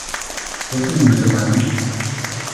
"jakimi metodami?"